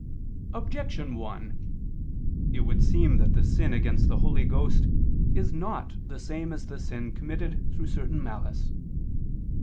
Objection 1: It would seem that the sin against the Holy Ghost is not the same as the sin committed through certain malice.